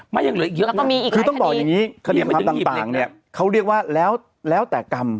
ยังเหลืออีกเยอะนะคือต้องบอกอย่างนี้คดีความต่างเนี่ยเขาเรียกว่าแล้วแต่กรรม